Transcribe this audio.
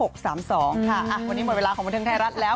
วันนี้หมดเวลาของบันเทิงไทยรัฐแล้ว